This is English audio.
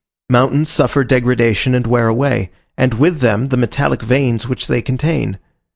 Mountains suffer degradation and wear away, and with them the metallic veins which they contain.